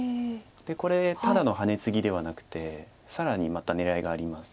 これただのハネツギではなくて更にまた狙いがあります。